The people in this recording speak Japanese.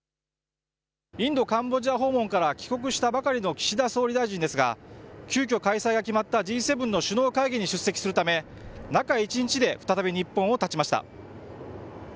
インド、カンボジア訪問から帰国したばかりの岸田総理大臣ですが、急きょ、開催が決まったＧ７の首脳会議に出席するため、中１日で再び日本をたちました。